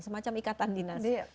semacam ikatan dinas